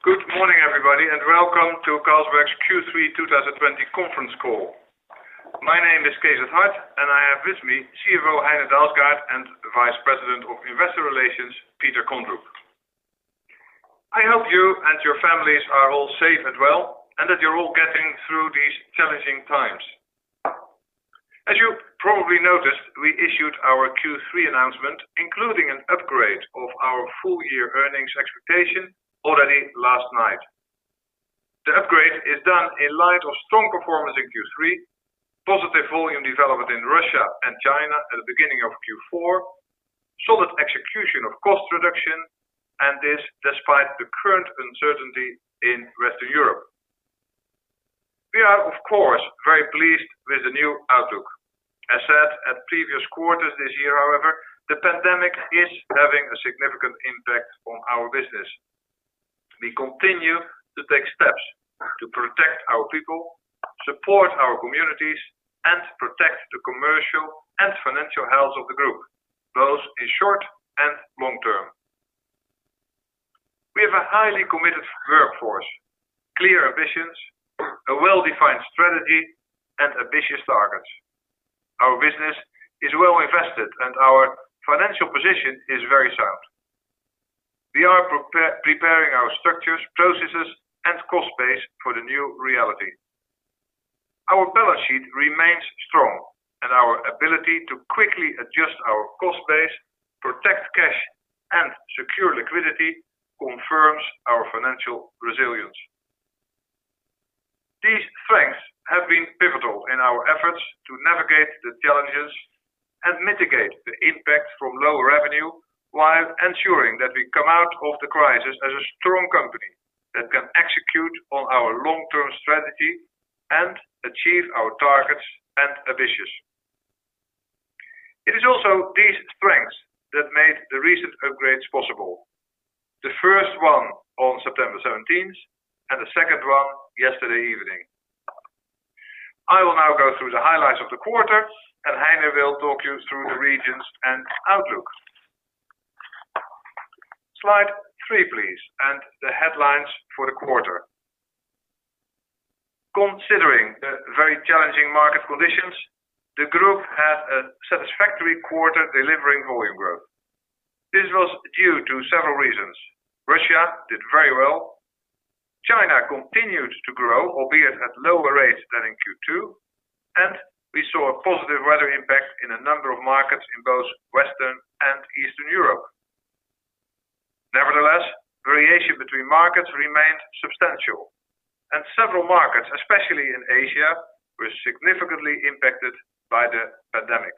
Good morning everybody, welcome to Carlsberg's Q3 2020 Conference Call. My name is Cees 't Hart, I have with me CFO Heine Dalsgaard and Vice President of Investor Relations, Peter Kondrup. I hope you and your families are all safe and well, that you're all getting through these challenging times. As you probably noticed, we issued our Q3 announcement, including an upgrade of our full year earnings expectation already last night. The upgrade is done in light of strong performance in Q3, positive volume development in Russia and China at the beginning of Q4, solid execution of cost reduction, and this despite the current uncertainty in Western Europe. We are of course very pleased with the new outlook. As said at previous quarters this year, however, the pandemic is having a significant impact on our business. We continue to take steps to protect our people, support our communities, and protect the commercial and financial health of the group, both in short-term and long-term. We have a highly committed workforce, clear ambitions, a well-defined strategy, and ambitious targets. Our business is well invested and our financial position is very sound. We are preparing our structures, processes, and cost base for the new reality. Our balance sheet remains strong and our ability to quickly adjust our cost base, protect cash, and secure liquidity confirms our financial resilience. These strengths have been pivotal in our efforts to navigate the challenges and mitigate the impact from low revenue while ensuring that we come out of the crisis as a strong company that can execute on our long-term strategy and achieve our targets and ambitions. It is also these strengths that made the recent upgrades possible, the first one on September 17th and the second one yesterday evening. I will now go through the highlights of the quarter and Heine will talk you through the regions and outlook. Slide three, please, and the headlines for the quarter. Considering the very challenging market conditions, the group had a satisfactory quarter delivering volume growth. This was due to several reasons. Russia did very well. China continued to grow, albeit at lower rates than in Q2, and we saw a positive weather impact in a number of markets in both Western and Eastern Europe. Nevertheless, variation between markets remained substantial, and several markets, especially in Asia, were significantly impacted by the pandemic.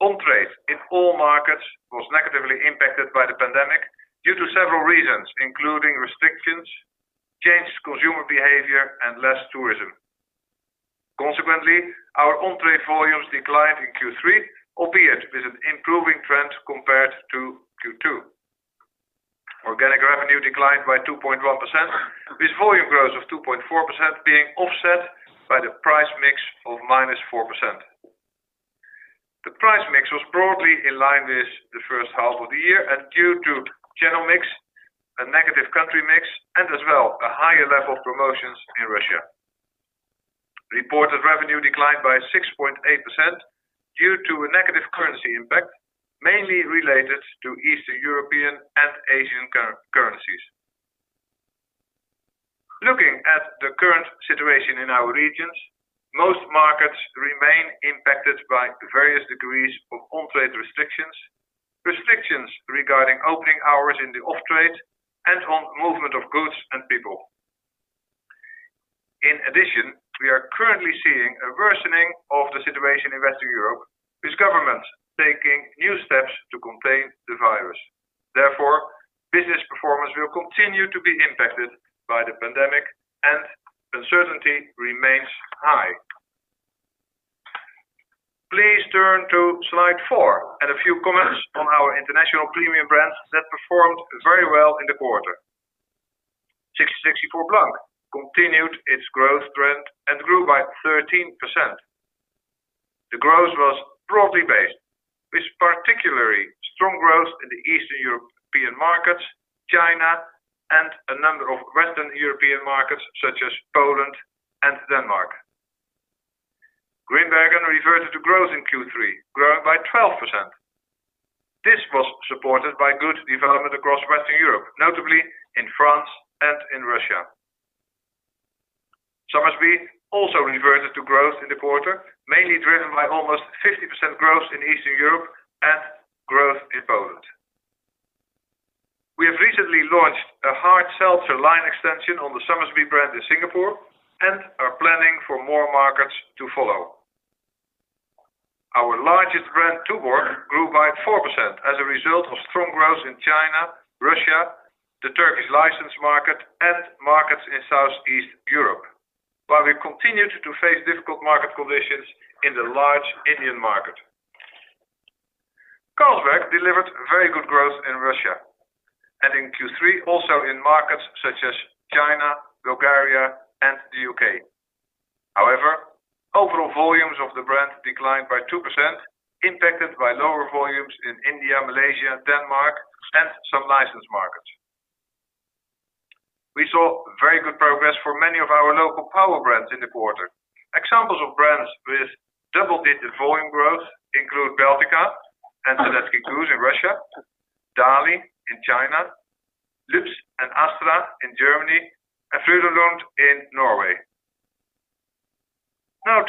On-trade in all markets was negatively impacted by the pandemic due to several reasons, including restrictions, changed consumer behavior, and less tourism. Consequently, our on-trade volumes declined in Q3, albeit with an improving trend compared to Q2. Organic revenue declined by 2.1%, with volume growth of 2.4% being offset by the price mix of minus 4%. The price mix was broadly in line with the first half of the year and due to channel mix, a negative country mix, and as well, a higher level of promotions in Russia. Reported revenue declined by 6.8% due to a negative currency impact, mainly related to Eastern European and Asian currencies. Looking at the current situation in our regions, most markets remain impacted by various degrees of on-trade restrictions regarding opening hours in the off-trade, and on movement of goods and people. In addition, we are currently seeing a worsening of the situation in Western Europe with governments taking new steps to contain the virus. Therefore, business performance will continue to be impacted by the pandemic and uncertainty remains high. Please turn to slide four and a few comments on our international premium brands that performed very well in the quarter. 1664 Blanc continued its growth trend and grew by 13%. The growth was broadly based with particularly strong growth in the Eastern European markets, China, and a number of Western European markets such as Poland and Denmark. Grimbergen reverted to growth in Q3, growing by 12%. This was supported by good development across Western Europe, notably in France and in Russia. Somersby also reverted to growth in the quarter, mainly driven by almost 50% growth in Eastern Europe and growth in Poland. We have recently launched a hard seltzer line extension on the Somersby brand in Singapore and are planning for more markets to follow. Our largest brand, Tuborg, grew by 4% as a result of strong growth in China, Russia, the Turkish license market, and markets in Southeast Europe, while we continued to face difficult market conditions in the large Indian market. Carlsberg delivered very good growth in Russia, and in Q3, also in markets such as China, Bulgaria, and the U.K. impacted by lower volumes in India, Malaysia, Denmark, and some licensed markets. We saw very good progress for many of our local power brands in the quarter. Examples of brands with double-digit volume growth include Baltika and Zatecky Gus in Russia, Dali in China, Lübzer and Astra in Germany, and Frydenlund in Norway.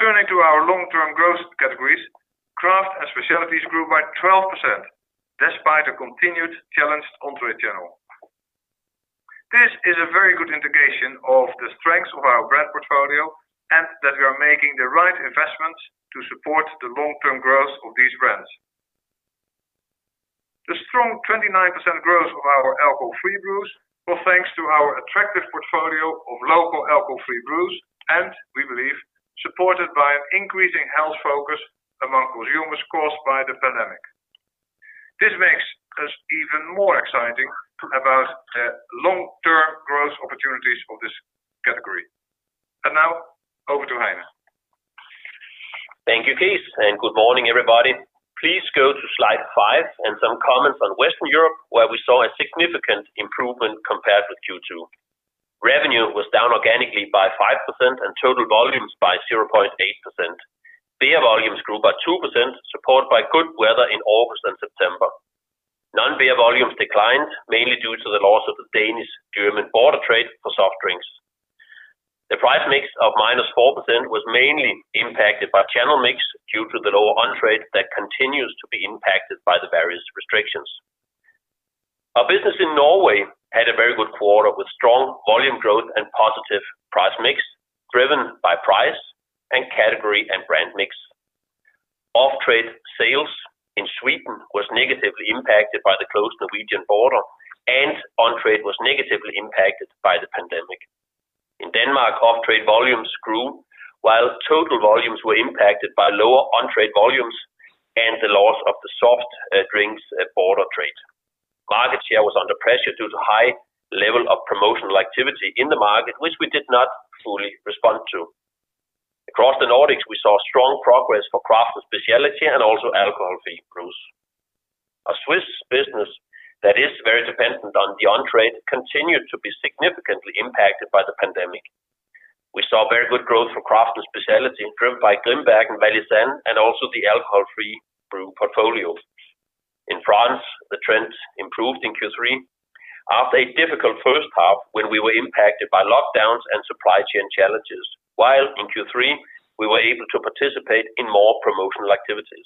Turning to our long-term growth categories. Craft and specialties grew by 12%, despite a continued challenged on-trade channel. This is a very good indication of the strengths of our brand portfolio and that we are making the right investments to support the long-term growth of these brands. The strong 29% growth of our alcohol-free brews, were thanks to our attractive portfolio of local alcohol-free brews, and we believe supported by an increasing health focus among consumers caused by the pandemic. This makes us even more exciting about the long-term growth opportunities for this category. Now over to Heine. Thank you, Cees, good morning, everybody. Please go to slide five and some comments on Western Europe, where we saw a significant improvement compared with Q2. Revenue was down organically by 5% and total volumes by 0.8%. Beer volumes grew by 2%, supported by good weather in August and September. Non-beer volumes declined mainly due to the loss of the Danish-German border trade for soft drinks. The price mix of -4% was mainly impacted by channel mix due to the lower on-trade that continues to be impacted by the various restrictions. Our business in Norway had a very good quarter with strong volume growth and positive price mix driven by price and category and brand mix. Off-trade sales in Sweden was negatively impacted by the closed Norwegian border, and on-trade was negatively impacted by the pandemic. In Denmark, off-trade volumes grew while total volumes were impacted by lower on-trade volumes and the loss of the soft drinks border trade. Market share was under pressure due to high level of promotional activity in the market, which we did not fully respond to. Across the Nordics, we saw strong progress for craft and specialty and also alcohol-free brews. Our Swiss business that is very dependent on the on-trade continued to be significantly impacted by the pandemic. We saw very good growth for craft and specialty, driven by Grimbergen, Valaisanne, and also the alcohol-free brew portfolio. In France, the trends improved in Q3 after a difficult first half when we were impacted by lockdowns and supply chain challenges, while in Q3 we were able to participate in more promotional activities.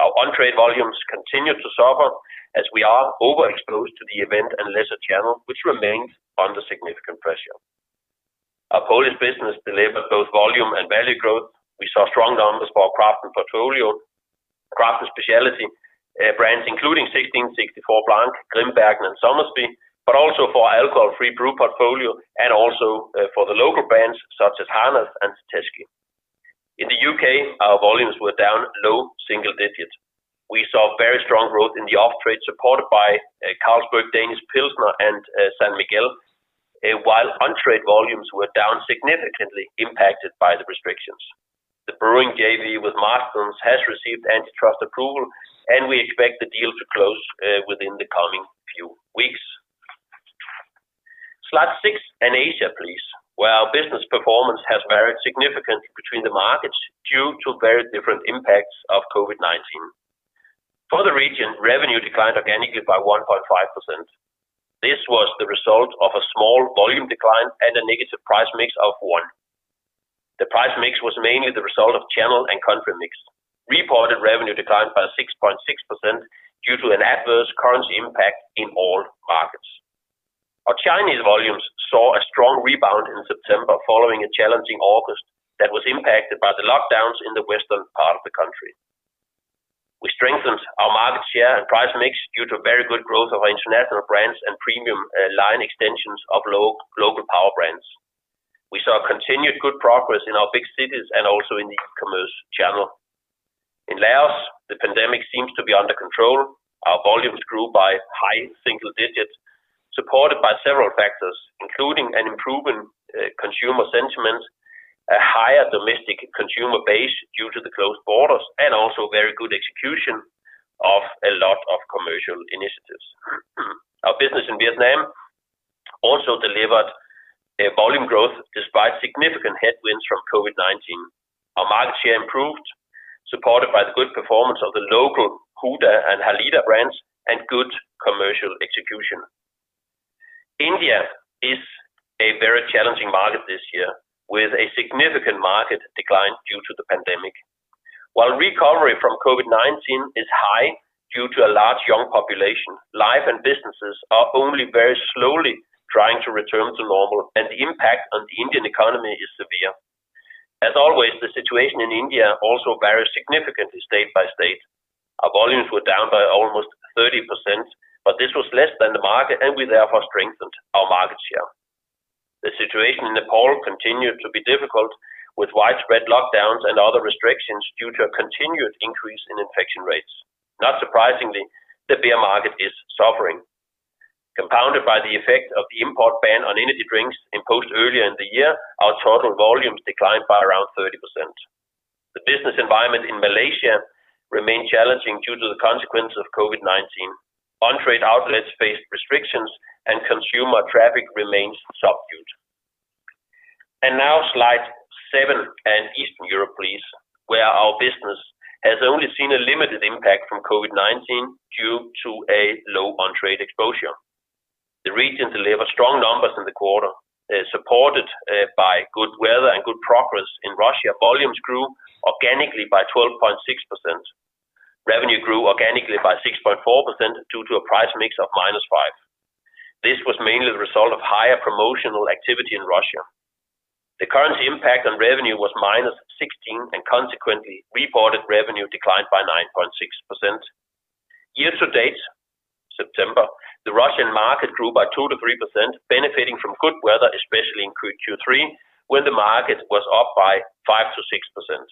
Our on-trade volumes continued to suffer as we are overexposed to the event and leisure channel, which remains under significant pressure. Our Polish business delivered both volume and value growth. We saw strong numbers for our craft and specialty brands, including 1664 Blanc, Grimbergen, and Somersby, but also for our alcohol-free brew portfolio and also for the local brands such as Harnaś and Tyskie. In the U.K., our volumes were down low single digits. We saw very strong growth in the off-trade, supported by Carlsberg Danish Pilsner and San Miguel, while on-trade volumes were down significantly impacted by the restrictions. The brewing JV with Marston's has received antitrust approval, and we expect the deal to close within the coming few weeks. Slide six and Asia, please. Well, business performance has varied significantly between the markets due to very different impacts of COVID-19. For the region, revenue declined organically by 1.5%. This was the result of a small volume decline and a negative price mix of one. The price mix was mainly the result of channel and country mix. Reported revenue declined by 6.6% due to an adverse currency impact in all markets. Our Chinese volumes saw a strong rebound in September following a challenging August that was impacted by the lockdowns in the western part of the country. We strengthened our market share and price mix due to very good growth of our international brands and premium line extensions of local power brands. We saw continued good progress in our big cities and also in the e-commerce channel. In Laos, the pandemic seems to be under control. Our volumes grew by high single digits, supported by several factors, including an improvement in consumer sentiment, a higher domestic consumer base due to the closed borders, and also very good execution of a lot of commercial initiatives. Our business in Vietnam also delivered volume growth despite significant headwinds from COVID-19. Our market share improved, supported by the good performance of the local Huda and Halida brands and good commercial execution. India is a very challenging market this year, with a significant market decline due to the pandemic. While recovery from COVID-19 is high due to a large young population, life and businesses are only very slowly trying to return to normal, and the impact on the Indian economy is severe. As always, the situation in India also varies significantly state by state. Our volumes were down by almost 30%, but this was less than the market, and we therefore strengthened our market share. The situation in Nepal continued to be difficult, with widespread lockdowns and other restrictions due to a continued increase in infection rates. Not surprisingly, the beer market is suffering. Underpinned by the effect of the import ban on energy drinks imposed earlier in the year, our total volumes declined by around 30%. The business environment in Malaysia remains challenging due to the consequences of COVID-19. On-trade outlets faced restrictions and consumer traffic remains subdued. Now slide seven and Eastern Europe, please. Where our business has only seen a limited impact from COVID-19 due to a low on-trade exposure. The region delivered strong numbers in the quarter, supported by good weather and good progress in Russia. Volumes grew organically by 12.6%. Revenue grew organically by 6.4% due to a price mix of -5%. This was mainly the result of higher promotional activity in Russia. The currency impact on revenue was -16%, and consequently, reported revenue declined by 9.6%. Year to date, September, the Russian market grew by 2%-3%, benefiting from good weather, especially in Q3, where the market was up by 5%-6%.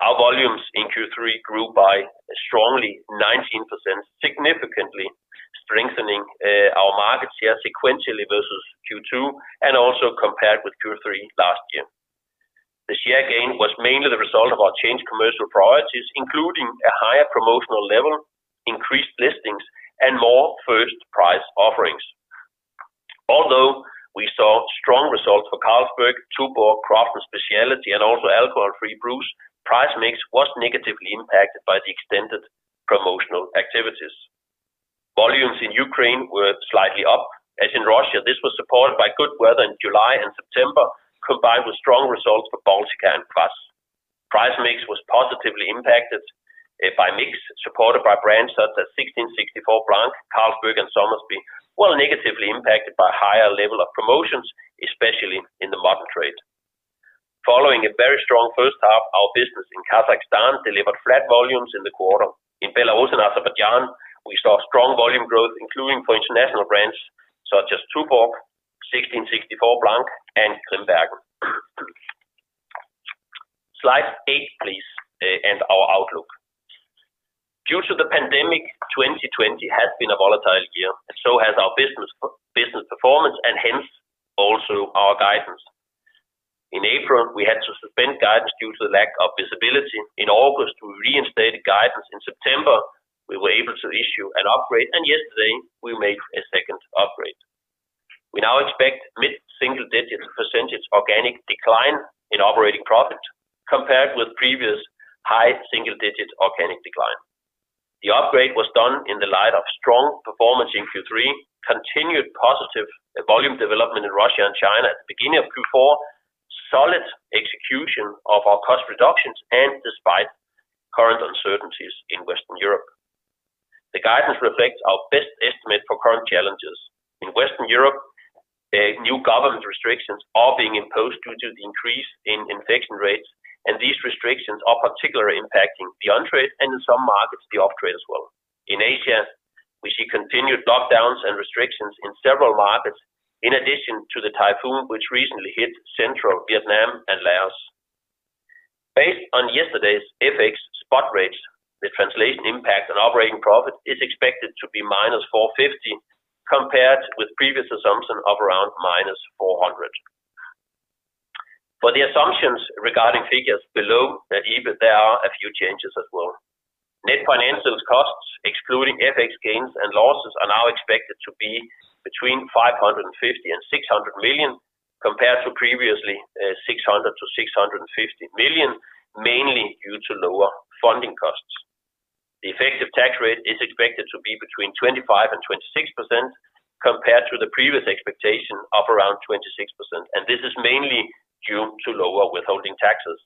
Our volumes in Q3 grew by strongly 19%, significantly strengthening our market share sequentially versus Q2 and also compared with Q3 last year. The share gain was mainly the result of our changed commercial priorities, including a higher promotional level, increased listings, and more first-price offerings. Although we saw strong results for Carlsberg, Tuborg, Craft and Specialty, and also alcohol-free brews, price mix was negatively impacted by the extended promotional activities. Volumes in Ukraine were slightly up. As in Russia, this was supported by good weather in July and September, combined with strong results for Baltika and Kvas. Price mix was positively impacted by mix supported by brands such as 1664 Blanc, Carlsberg, and Somersby, while negatively impacted by higher level of promotions, especially in the modern trade. Following a very strong first half, our business in Kazakhstan delivered flat volumes in the quarter. In Belarus and Azerbaijan, we saw strong volume growth, including for international brands such as Tuborg, 1664 Blanc, and Grimbergen. Slide eight, please, and our outlook. Due to the pandemic, 2020 has been a volatile year, and so has our business performance, and hence also our guidance. In April, we had to suspend guidance due to the lack of visibility. In August, we reinstated guidance. In September, we were able to issue an upgrade, and yesterday we made a second upgrade. We now expect mid-single-digit % organic decline in operating profit compared with previous high single-digit organic decline. The upgrade was done in the light of strong performance in Q3, continued positive volume development in Russia and China at the beginning of Q4, solid execution of our cost reductions, and despite current uncertainties in Western Europe. The guidance reflects our best estimate for current challenges. In Western Europe, new government restrictions are being imposed due to the increase in infection rates, and these restrictions are particularly impacting the on-trade and in some markets, the off-trade as well. In Asia, we see continued lockdowns and restrictions in several markets, in addition to the typhoon, which recently hit central Vietnam and Laos. Based on yesterday's FX spot rates, the translation impact on operating profit is expected to be -450, compared with previous assumption of around -400. For the assumptions regarding figures below, there are a few changes as well. Net financials costs, excluding FX gains and losses, are now expected to be between 550 million and 600 million, compared to previously 600 million-650 million, mainly due to lower funding costs. The effective tax rate is expected to be between 25% and 26%, compared to the previous expectation of around 26%, and this is mainly due to lower withholding taxes.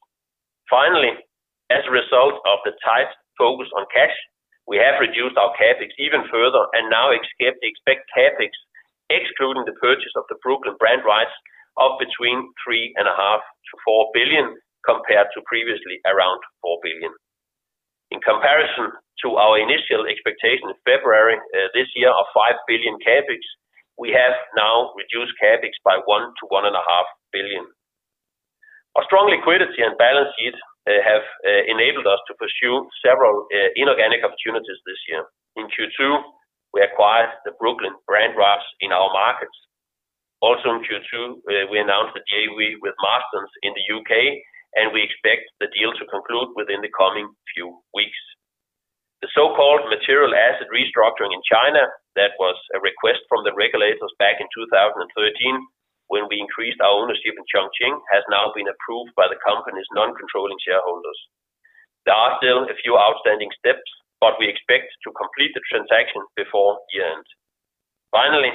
Finally, as a result of the tight focus on cash, we have reduced our CapEx even further and now expect CapEx, excluding the purchase of the Brooklyn brand rights, of between 3.5 billion-4 billion, compared to previously around 4 billion. In comparison to our initial expectation in February this year of 5 billion CapEx, we have now reduced CapEx by 1 billion-1.5 billion. Our strong liquidity and balance sheet have enabled us to pursue several inorganic opportunities this year. In Q2, we acquired the Brooklyn brand rights in our markets. In Q2, we announced the JV with Marston's in the U.K., and we expect the deal to conclude within the coming few weeks. The so-called material asset restructuring in China that was a request from the regulators back in 2013 when we increased our ownership in Chongqing, has now been approved by the company's non-controlling shareholders. There are still a few outstanding steps, but we expect to complete the transaction before year-end. Finally,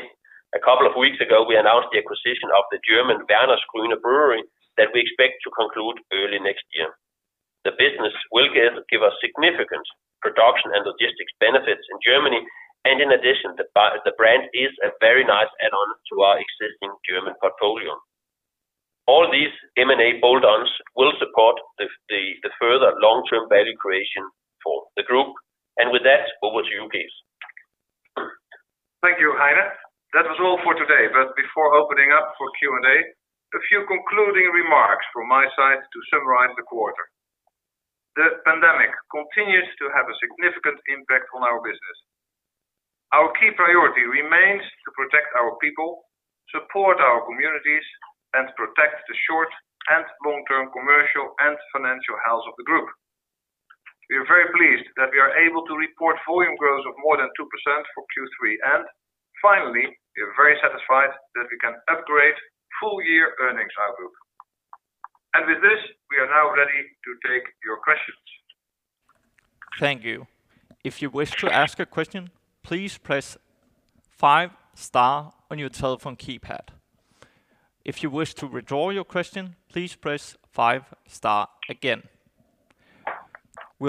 a couple of weeks ago, we announced the acquisition of the German Wernesgrüner brewery that we expect to conclude early next year. The business will give us significant production and logistics benefits in Germany. In addition, the brand is a very nice add-on to our existing German portfolio. All these M&A add-ons will support the further long-term value creation for the group. With that, over to you, Cees. Thank you, Heine. That was all for today. Before opening up for Q&A, a few concluding remarks from my side to summarize the quarter. The pandemic continues to have a significant impact on our business. Our key priority remains to protect our people, support our communities, and protect the short and long-term commercial and financial health of the group. We are very pleased that we are able to report volume growth of more than 2% for Q3, and finally, we are very satisfied that we can upgrade full year earnings outlook. With this, we are now ready to take your questions. Thank you. We'll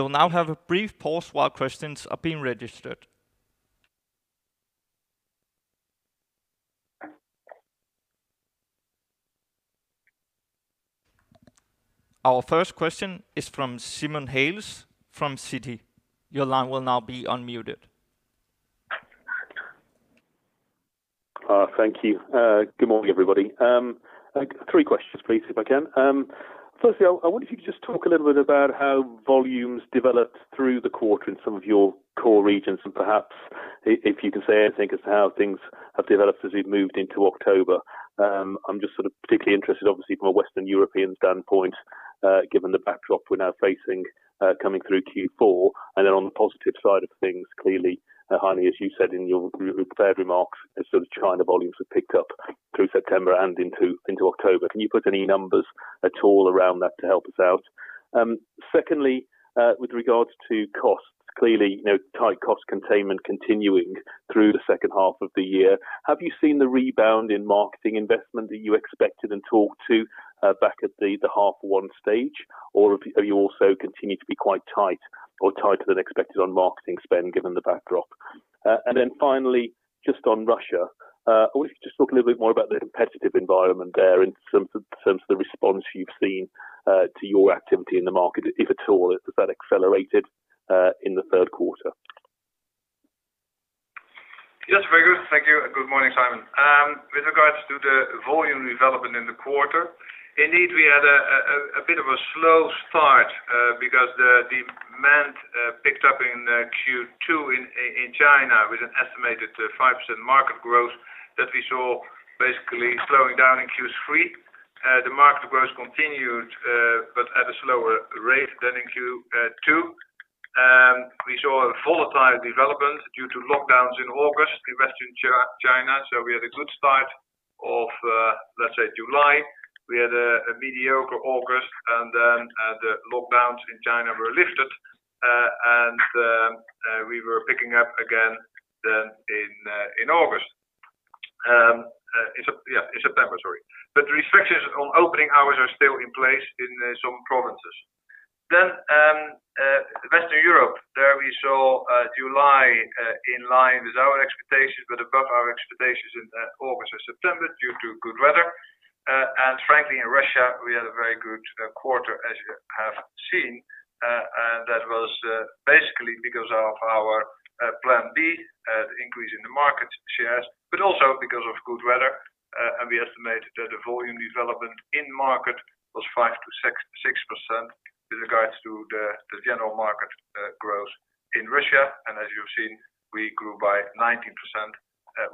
now have a brief pause while questions are being registered. Our first question is from Simon Hales from Citi. Your line will now be unmuted. Thank you. Good morning, everybody. Three questions, please, if I can. Firstly, I wonder if you could just talk a little bit about how volumes developed through the quarter in some of your core regions, and perhaps if you can say anything as to how things have developed as we've moved into October. I'm just particularly interested, obviously, from a Western European standpoint, given the backdrop we're now facing, coming through Q4. On the positive side of things, clearly, Heine, as you said in your prepared remarks, as China volumes have picked up through September and into October. Can you put any numbers at all around that to help us out? Secondly, with regards to costs, clearly tight cost containment continuing through the second half of the year. Have you seen the rebound in marketing investment that you expected and talked to back at the half one stage, or have you also continued to be quite tight or tighter than expected on marketing spend given the backdrop? Finally, just on Russia, I wonder if you could just talk a little bit more about the competitive environment there in terms of the response you've seen to your activity in the market, if at all? Has that accelerated in the Q3? Yes. Very good. Thank you, and good morning, Simon. With regards to the volume development in the quarter, indeed, we had a bit of a slow start because the demand picked up in Q2 in China with an estimated 5% market growth that we saw basically slowing down in Q3. The market growth continued, but at a slower rate than in Q2. We saw a volatile development due to lockdowns in August in Western China. We had a good start of, let's say, July. We had a mediocre August, and then the lockdowns in China were lifted, and we were picking up again in August. In September, sorry. Restrictions on opening hours are still in place in some provinces. Western Europe. There we saw July in line with our expectations, but above our expectations in August or September due to good weather. Frankly, in Russia, we had a very good quarter, as you have seen, and that was basically because of our plan B, increase in the market shares, but also because of good weather. We estimate that the volume development in market was 5%-6% with regards to the general market growth in Russia. As you've seen, we grew by 19%,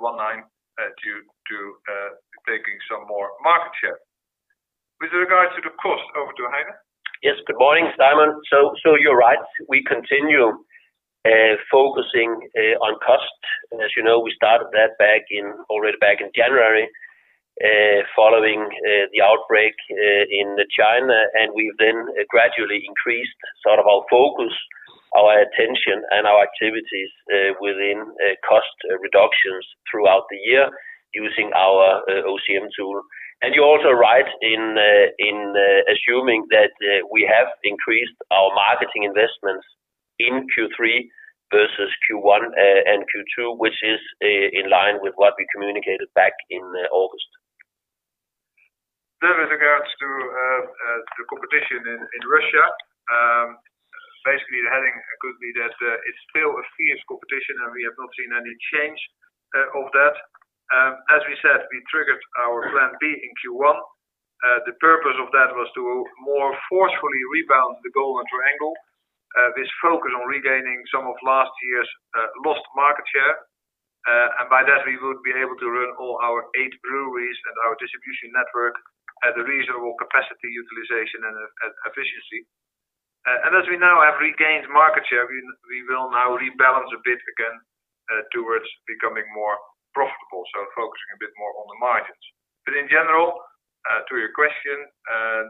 one nine, due to taking some more market share. With regards to the cost, over to Heine. Yes. Good morning, Simon. You're right. We continue focusing on cost. As you know, we started that already back in January, following the outbreak in China, we've then gradually increased our focus, our attention, and our activities within cost reductions throughout the year using our OCM tool. You're also right in assuming that we have increased our marketing investments in Q3 versus Q1 and Q2, which is in line with what we communicated back in August. With regards to the competition in Russia. Basically, the heading could be that it is still a fierce competition, and we have not seen any change of that. As we said, we triggered our plan B in Q1. The purpose of that was to more forcefully rebalance the Golden Triangle. This focus on regaining some of last year's lost market share, and by that, we would be able to run all our eight breweries and our distribution network at a reasonable capacity utilization and efficiency. As we now have regained market share, we will now rebalance a bit again towards becoming more profitable, focusing a bit more on the margins. In general, to your question,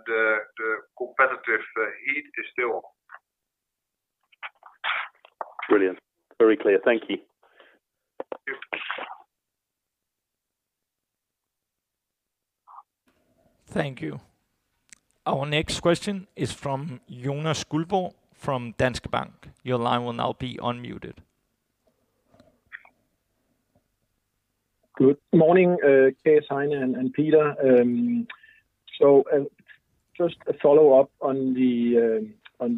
the competitive heat is still on. Brilliant. Very clear. Thank you. Thank you. Thank you. Our next question is from Jonas Guldborg from Danske Bank. Your line will now be unmuted. Good morning, Cees, Heine, and Peter. Just a follow-up on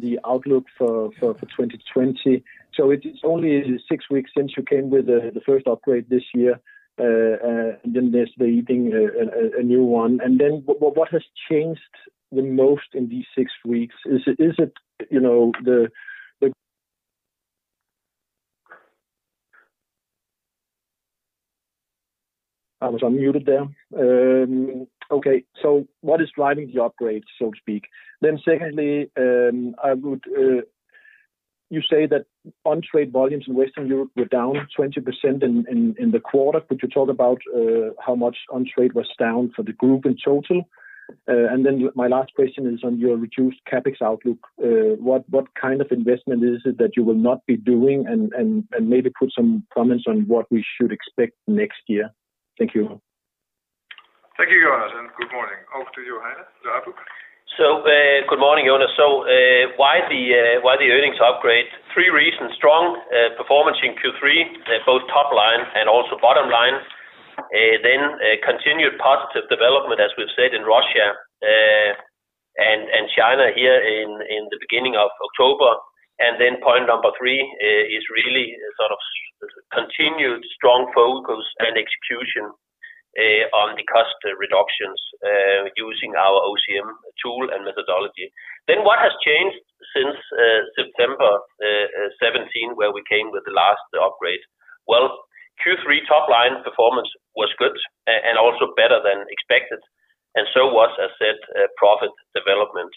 the outlook for 2020. It's only six weeks since you came with the first upgrade this year, and then this being a new one. What has changed the most in these six weeks? What is driving the upgrade, so to speak? Secondly, you say that on-trade volumes in Western Europe were down 20% in the quarter. Could you talk about how much on-trade was down for the group in total? My last question is on your reduced CapEx outlook. What kind of investment is it that you will not be doing, and maybe put some comments on what we should expect next year. Thank you. Thank you, Jonas. Good morning. Over to you, Heine. Good morning, Jonas. Why the earnings upgrade? Three reasons. Strong performance in Q3, both top line and also bottom line. Continued positive development, as we've said, in Russia, and China here in the beginning of October. Point number three is really sort of continued strong focus and execution on the cost reductions using our OCM tool and methodology. What has changed since September 17, where we came with the last upgrade? Well, Q3 top line performance was good and also better than expected, and so was, as said, profit development.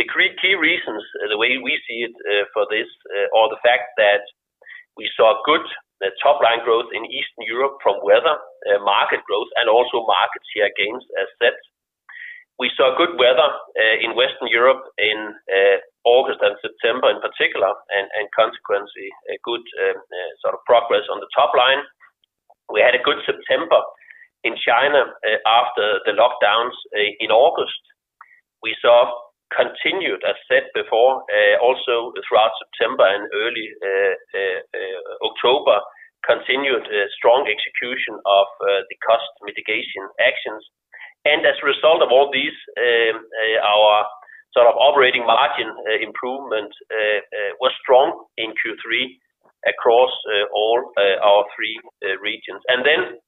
The key reasons, the way we see it for this, are the fact that we saw good top line growth in Eastern Europe from weather, market growth, and also market share gains, as said. We saw good weather in Western Europe in August and September in particular, and consequently, a good sort of progress on the top line. We had a good September in China after the lockdowns in August. We saw continued, as said before, also throughout September and early October, continued strong execution of the cost mitigation actions. As a result of all these, our operating margin improvement was strong in Q3 across all our three regions. Then,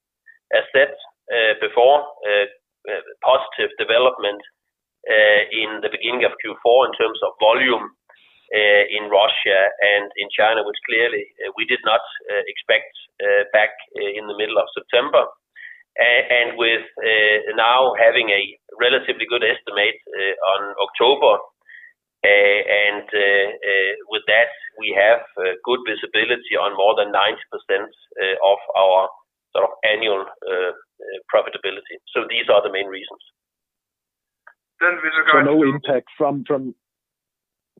as said before, positive development in the beginning of Q4 in terms of volume in Russia and in China, which clearly we did not expect back in the middle of September. With now having a relatively good estimate on October, and with that we have good visibility on more than 90% of our annual profitability. These are the main reasons. Then with regards to.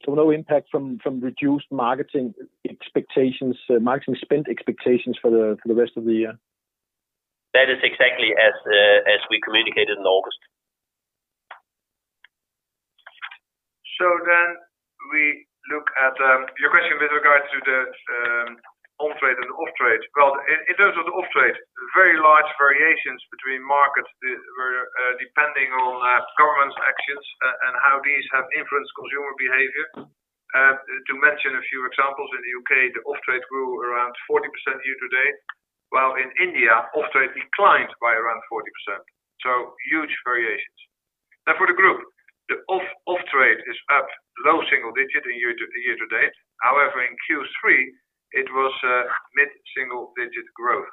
No impact from reduced marketing expectations, marketing spend expectations for the rest of the year? That is exactly as we communicated in August. We look at your question with regards to the on-trade and off-trade. Well, in terms of the off-trade, very large variations between markets were depending on governments' actions and how these have influenced consumer behavior. To mention a few examples, in the U.K., the off-trade grew around 40% year to date, while in India, off-trade declined by around 40%. Huge variations. Now for the group, the off-trade is up low single-digit in year to date. However, in Q3, it was mid-single-digit growth.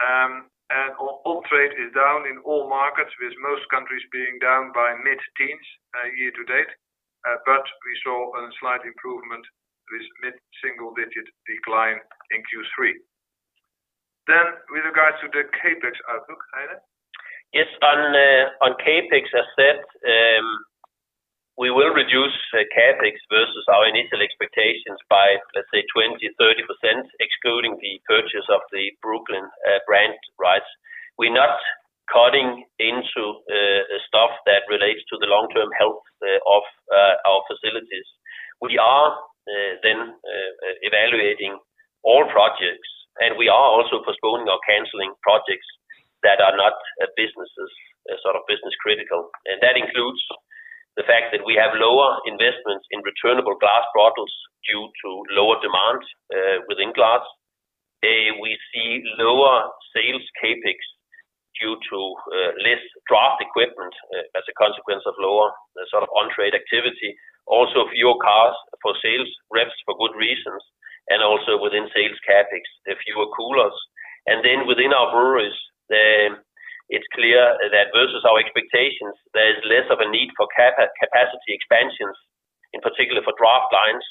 On-trade is down in all markets, with most countries being down by mid-teens year to date. We saw a slight improvement with mid-single-digit decline in Q3. With regards to the CapEx outlook, Heine? Yes. On CapEx, as said, we will reduce CapEx versus our initial expectations by, let's say, 20%-30%, excluding the purchase of the Brooklyn brand rights. We're not cutting into stuff that relates to the long-term health of our facilities. We are then evaluating all projects, we are also postponing or canceling projects that are not sort of business critical. That includes the fact that we have lower investments in returnable glass bottles due to lower demand within glass. We see lower sales CapEx due to less draft equipment as a consequence of lower on-trade activity. Also fewer cars for sales reps for good reasons, and also within sales CapEx, fewer coolers. Then within our breweries, it's clear that versus our expectations, there is less of a need for capacity expansions, in particular for draft lines.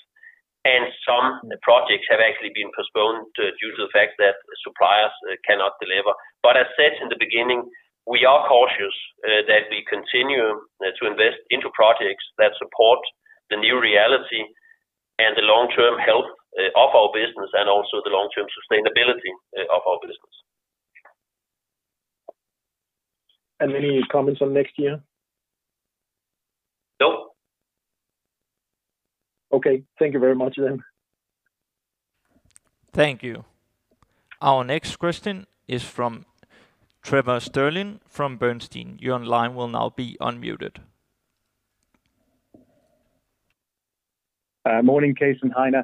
Some projects have actually been postponed due to the fact that suppliers cannot deliver. As said in the beginning, we are cautious that we continue to invest into projects that support the new reality and the long-term health of our business and also the long-term sustainability of our business. Any comments on next year? No. Okay. Thank you very much then. Thank you. Our next question is from Trevor Stirling from Bernstein. Good morning, Cees and Heine.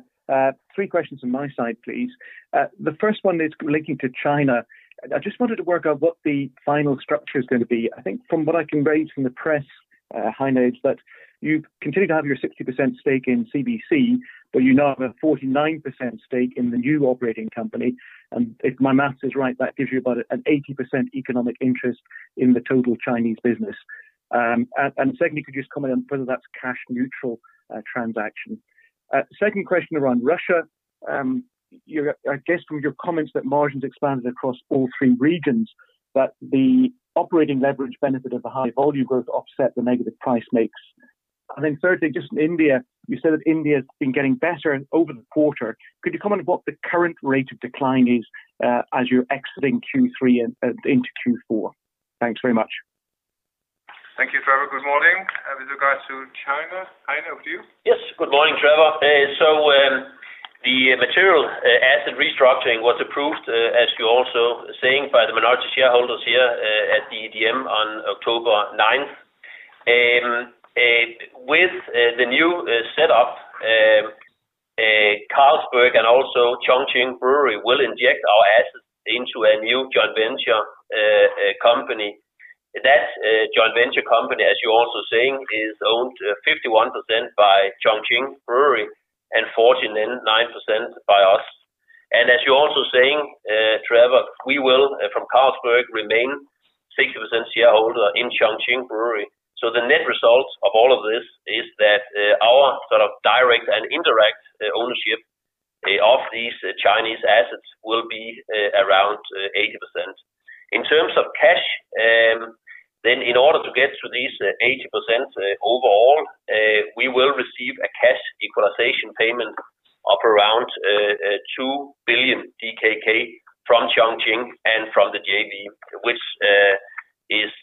Three questions on my side, please. The first one is linking to China. I just wanted to work out what the final structure is going to be. I think from what I can gauge from the press, Heine, is that you continue to have your 60% stake in CBC, but you now have a 49% stake in the new operating company. If my math is right, that gives you about an 80% economic interest in the total Chinese business. Secondly, could you just comment on whether that's a cash-neutral transaction? Second question around Russia. I guess from your comments that margins expanded across all three regions, that the operating leverage benefit of the high volume growth offset the negative price mix. Thirdly, just on India, you said that India's been getting better over the quarter. Could you comment on what the current rate of decline is as you're exiting Q3 and into Q4? Thanks very much. Thank you, Trevor. Good morning. With regards to China, Heine, over to you. Yes. Good morning, Trevor. The material asset restructuring was approved, as you're also saying, by the minority shareholders here at the EGM on October 9th. With the new setup, Carlsberg and also Chongqing Brewery will inject our assets into a new joint venture company. That joint venture company, as you're also saying, is owned 51% by Chongqing Brewery and 49% by us. As you're also saying, Trevor, we will, from Carlsberg, remain 60% shareholder in Chongqing Brewery. The net result of all of this is that our direct and indirect ownership of these Chinese assets will be around 80%. In terms of cash, then in order to get to this 80% overall, we will receive a cash equalization payment of around 2 billion DKK from Chongqing and from the JV, which is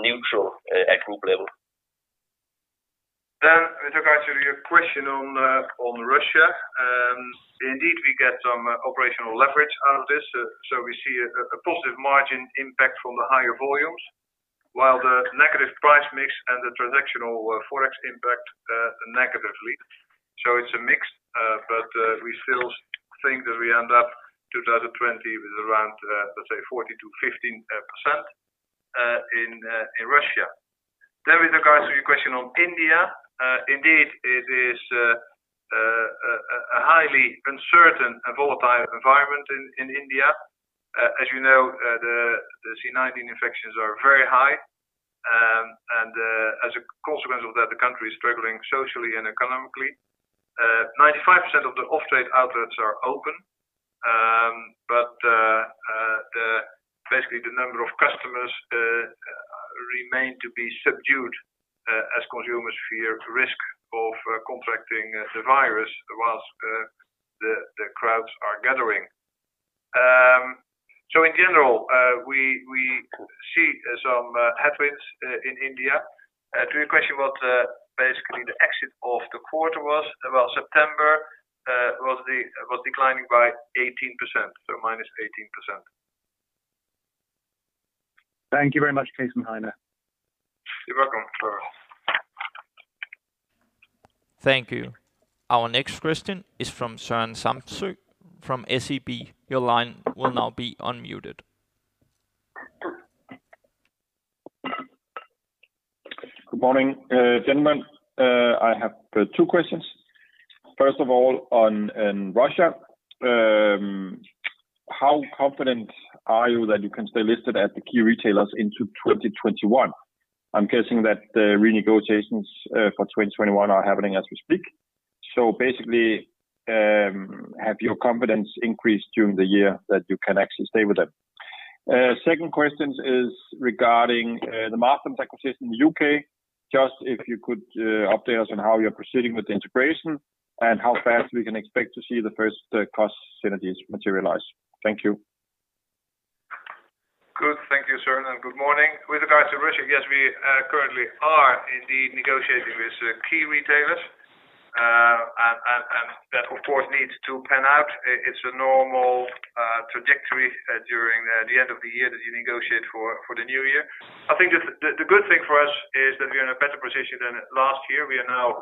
neutral at group level. With regards to your question on Russia, indeed, we get some operational leverage out of this. We see a positive margin impact from the higher volumes, while the negative price mix and the transactional FX impact negatively. It's a mix, but we still think that we end up 2020 with around, let's say, 14% to 15% in Russia. With regards to your question on India, indeed it is a highly uncertain and volatile environment in India. As you know, the COVID-19 infections are very high. As a consequence of that, the country is struggling socially and economically. 95% of the off-trade outlets are open, but basically the number of customers remain to be subdued as consumers fear the risk of contracting the virus whilst the crowds are gathering. In general, we see some headwinds in India. To your question what basically the exit of the quarter was, well, September was declining by 18%, so -18%. Thank you very much, Cees and Heine. You're welcome, Trevor. Thank you. Our next question is from Søren Samsøe from SEB. Your line will now be unmuted. Good morning, gentlemen. I have two questions. First of all, on Russia. How confident are you that you can stay listed as the key retailers into 2021? I'm guessing that the renegotiations for 2021 are happening as we speak. Basically, has your confidence increased during the year that you can actually stay with them? Second question is regarding the Marston's acquisition in the U.K. Just if you could update us on how you're proceeding with the integration and how fast we can expect to see the first cost synergies materialize. Thank you. Good. Thank you, Søren, and good morning. With regards to Russia, yes, we currently are indeed negotiating with key retailers. That, of course, needs to pan out. It's a normal trajectory during the end of the year that you negotiate for the new year. I think the good thing for us is that we are in a better position than last year. We are now,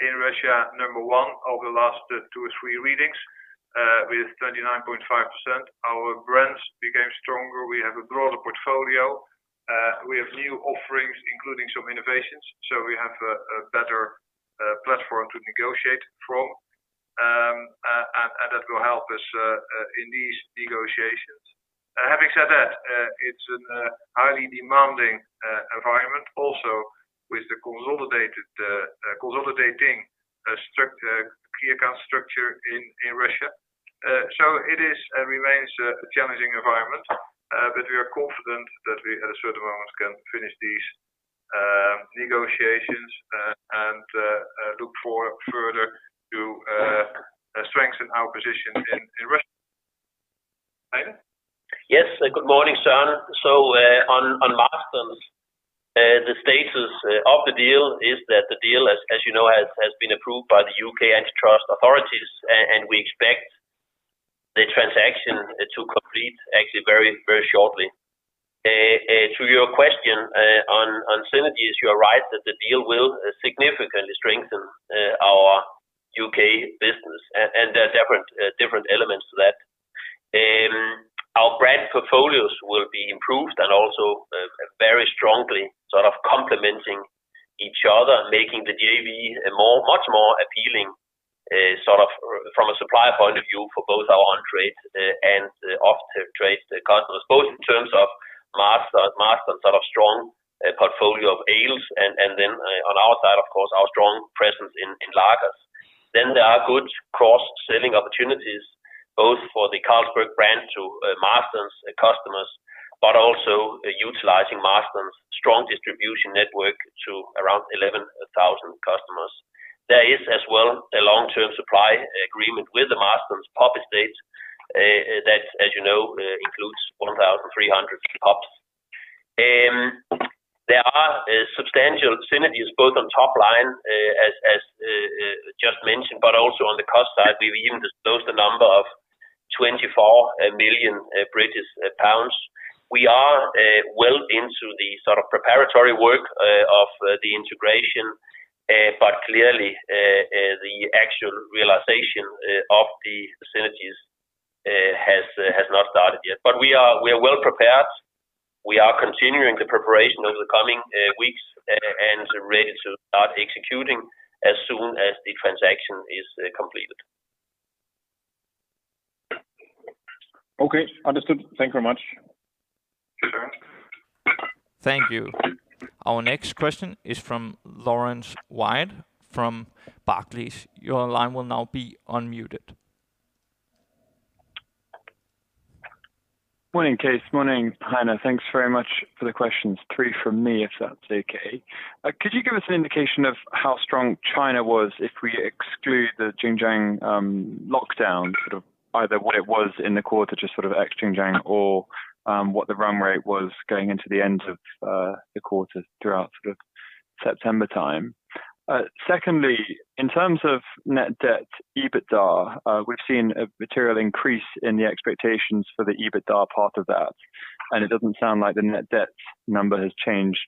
in Russia, number one over the last two or three readings, with 29.5%. Our brands became stronger. We have a broader portfolio. We have new offerings, including some innovations. We have a better platform to negotiate from, and that will help us in these negotiations. Having said that, it's a highly demanding environment also with the consolidating key account structure in Russia. It is and remains a challenging environment, but we are confident that we, at a certain moment, can finish these negotiations and look further to strengthen our position in Russia. Heine? Yes. Good morning, Søren. On Marston's, the status of the deal is that the deal, as you know, has been approved by the U.K. antitrust authorities, and we expect transaction to complete actually very shortly. To your question on synergies, you are right that the deal will significantly strengthen our U.K. business, and there are different elements to that. Our brand portfolios will be improved and also very strongly complementing each other, making the JV much more appealing from a supply point of view for both our on-trade and off-the-trade customers, both in terms of Marston's strong portfolio of ales and then on our side, of course, our strong presence in lagers. There are good cross-selling opportunities, both for the Carlsberg brand to Marston's customers, but also utilizing Marston's strong distribution network to around 11,000 customers. There is, as well, a long-term supply agreement with the Marston's pub estate that, as you know, includes 1,300 pubs. There are substantial synergies, both on top line, as just mentioned, but also on the cost side. We've even disclosed a number of 24 million British pounds. We are well into the preparatory work of the integration. Clearly, the actual realization of the synergies has not started yet. We are well prepared. We are continuing the preparation over the coming weeks and are ready to start executing as soon as the transaction is completed. Okay. Understood. Thank you very much. Thank you. Our next question is from Laurence Whyatt from Barclays. Your line will now be unmuted. Good morning, Cees. Good morning, Heine. Thanks very much for the questions. three from me, if that's okay. Could you give us an indication of how strong China was if we exclude the Xinjiang lockdown, either what it was in the quarter, just ex-Xinjiang, or what the run rate was going into the end of the quarter throughout September time? Secondly, in terms of net debt EBITDA, we've seen a material increase in the expectations for the EBITDA part of that. It doesn't sound like the net debt number has changed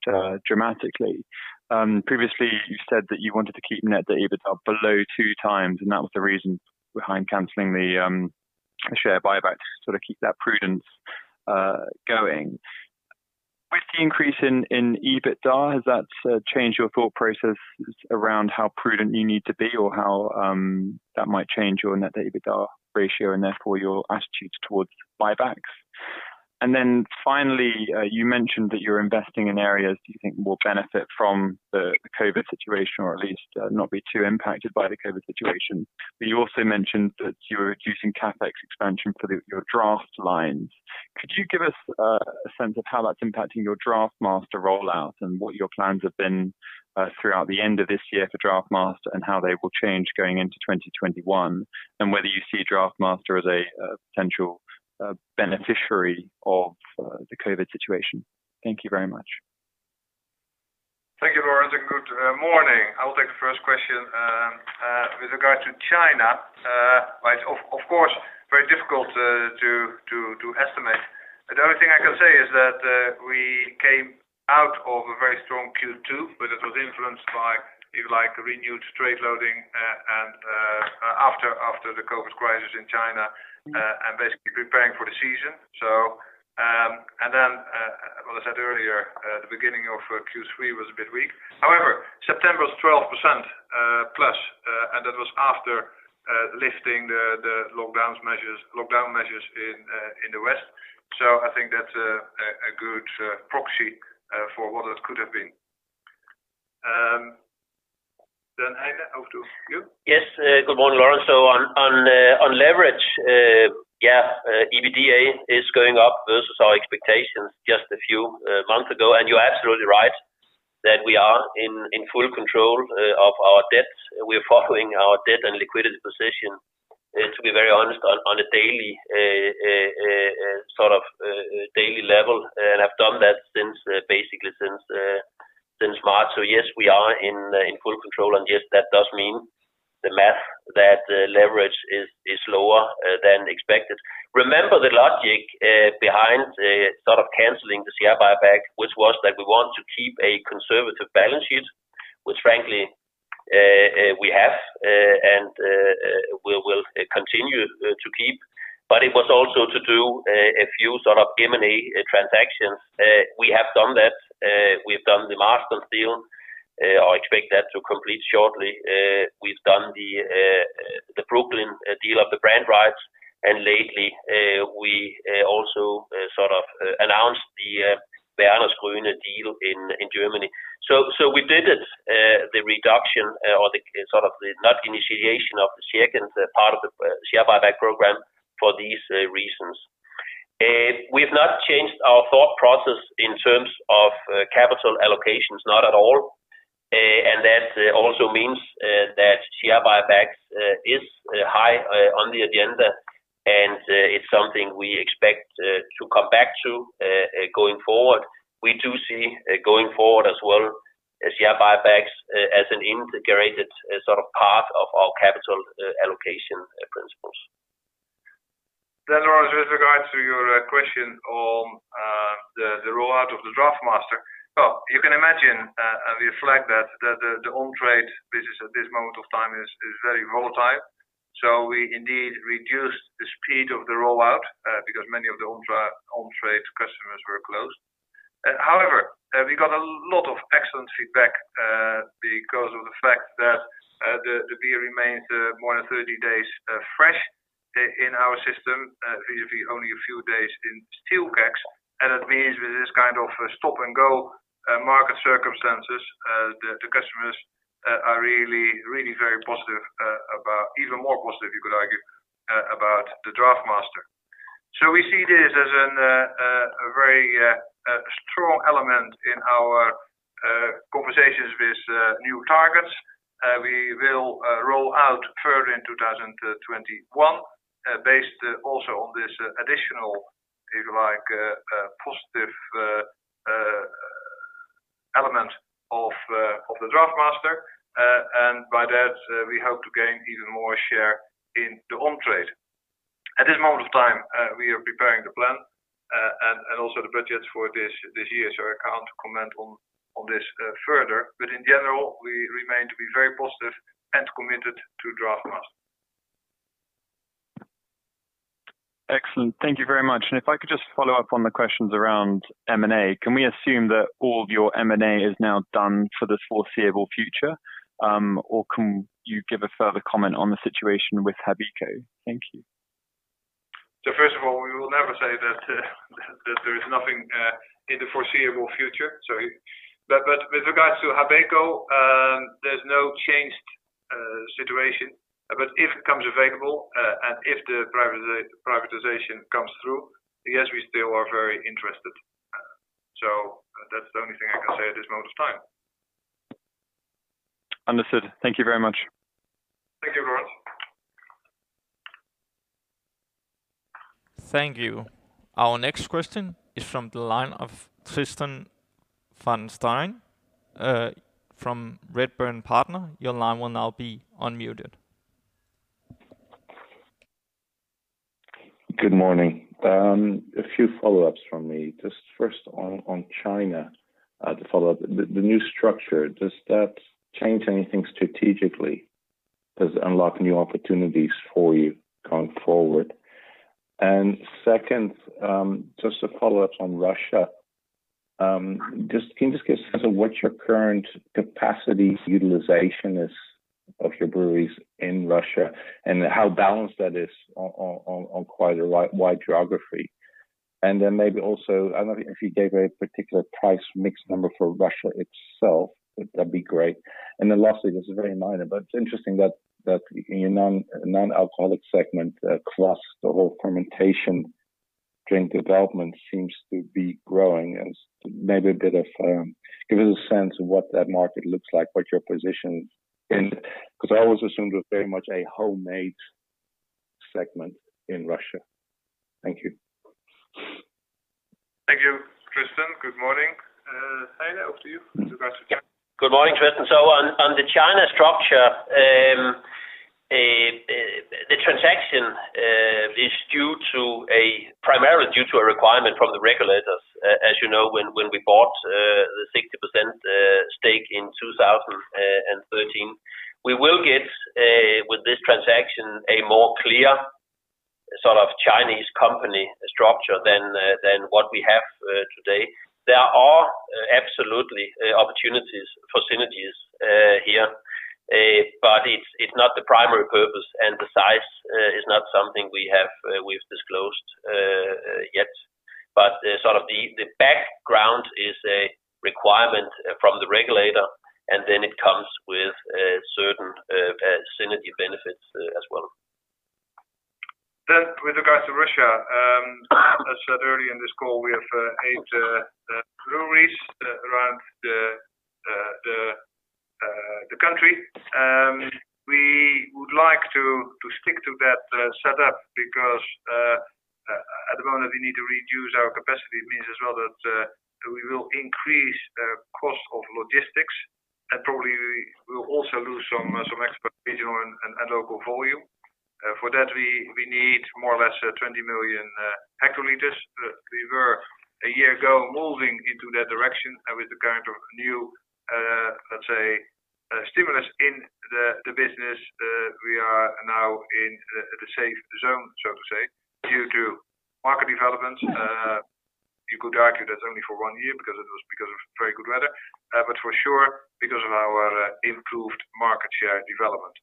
dramatically. Previously, you said that you wanted to keep net debt EBITDA below two times. That was the reason behind canceling the share buyback to keep that prudence going. With the increase in EBITDA, has that changed your thought process around how prudent you need to be or how that might change your net debt EBITDA ratio and therefore your attitudes towards buybacks? You mentioned that you're investing in areas you think will benefit from the COVID-19 situation or at least not be too impacted by the COVID-19 situation. You also mentioned that you were reducing CapEx expansion for your draft lines. Could you give us a sense of how that's impacting your DraughtMaster rollout and what your plans have been throughout the end of this year for DraughtMaster and how they will change going into 2021, and whether you see DraughtMaster as a potential beneficiary of the COVID-19 situation? Thank you very much. Thank you, Laurence, and good morning. I will take the first question. With regard to China, it's of course, very difficult to estimate. The only thing I can say is that we came out of a very strong Q2, but it was influenced by, if you like, renewed trade loading after the COVID-19 crisis in China, and basically preparing for the season. As I said earlier, the beginning of Q3 was a bit weak. However, September was 12% plus, and that was after lifting the lockdown measures in the West. I think that's a good proxy for what it could have been. Heine, over to you. Yes. Good morning, Laurence. On leverage, yeah, EBITDA is going up versus our expectations just a few months ago. You're absolutely right that we are in full control of our debt. We're following our debt and liquidity position, to be very honest, on a daily level, and have done that basically since March. Yes, we are in full control. Yes, that does mean the math, that leverage is lower than expected. Remember the logic behind canceling the share buyback, which was that we want to keep a conservative balance sheet, which frankly, we have and we will continue to keep. It was also to do a few M&A transactions. We have done that. We've done the Marston's deal, or expect that to complete shortly. We've done the Brooklyn deal of the brand rights. Lately, we also announced the Wernesgrüner deal in Germany. We did it, the reduction or the not initiation of the second part of the share buyback program for these reasons. We've not changed our thought process in terms of capital allocations, not at all. That also means that share buybacks is high on the agenda, and it's something we expect to come back to going forward. We do see going forward as well share buybacks as an integrated part of our capital allocation principles. Laurence, with regards to your question on the rollout of the DraughtMaster, you can imagine, and reflect that the on-trade business at this moment of time is very volatile. We indeed reduced the speed of the rollout because many of the on-trade customers were closed. However, we got a lot of excellent feedback because of the fact that the beer remains more than 30 days fresh in our system, usually only a few days in steel kegs, and that means with this kind of stop-and-go market circumstances, the customers are really very positive about, even more positive, you could argue, about the DraughtMaster. We see this as a very strong element in our conversations with new targets. We will roll out further in 2021, based also on this additional, if you like, positive element of the DraughtMaster. By that, we hope to gain even more share in the on-trade. At this moment of time, we are preparing the plan and also the budget for this year. I can't comment on this further. In general, we remain to be very positive and committed to DraughtMaster. Excellent. Thank you very much. If I could just follow up on the questions around M&A, can we assume that all of your M&A is now done for the foreseeable future? Can you give a further comment on the situation with Habeco? Thank you. First of all, we will never say that there is nothing in the foreseeable future, sorry. With regards to Habeco, there's no changed situation. If it comes available, and if the privatization comes through, yes, we still are very interested. That's the only thing I can say at this moment of time. Understood. Thank you very much. Thank you very much. Thank you. Our next question is from the line of Tristan van Strien from Redburn Partners. Good morning. A few follow-ups from me. Just first on China, to follow up. The new structure, does that change anything strategically? Does it unlock new opportunities for you going forward? Second, just a follow-up on Russia. Can you just give a sense of what your current capacity utilization is of your breweries in Russia, and how balanced that is on quite a wide geography? Maybe also, I don't know if you gave a particular price mix number for Russia itself, that'd be great. Lastly, this is very minor, but it's interesting that in your non-alcoholic segment across the whole fermentation drink development seems to be growing. Maybe give us a sense of what that market looks like, what your position is. Because I always assumed it was very much a homemade segment in Russia. Thank you. Thank you, Tristan. Good morning. Heine, over to you with regards to China. Good morning, Tristan. On the China structure, the transaction is primarily due to a requirement from the regulators. As you know, when we bought the 60% stake in 2013, we will get, with this transaction, a more clear Chinese company structure than what we have today. There are absolutely opportunities for synergies here. It's not the primary purpose, and the size is not something we've disclosed yet. The background is a requirement from the regulator, and it comes with certain synergy benefits as well. With regards to Russia, as said earlier in this call, we have eight breweries around the country. We would like to stick to that setup because at the moment, we need to reduce our capacity. It means as well that we will increase cost of logistics, and probably we'll also lose some export region and local volume. For that, we need more or less 20 million hectoliters. We were, a year ago, moving into that direction with the kind of new, let's say, stimulus in the business. We are now in the safe zone, so to say, due to market developments. You could argue that's only for one year because it was because of very good weather. For sure, because of our improved market share development.